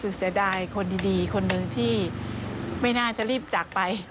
คือเสียดายคนดีคนหนึ่งที่ไม่น่าจะรีบจากไป